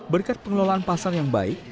berkat pengelolaan pasar yang baik